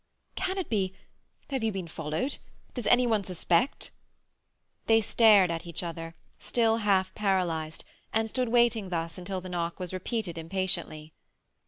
"Can it be—? Have you been followed? Does any one suspect—?" They stared at each other, still half paralysed, and stood waiting thus until the knock was repeated impatiently.